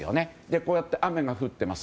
こうやって雨が降っています。